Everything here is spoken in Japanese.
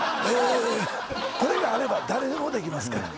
これがあれば誰でもできますから。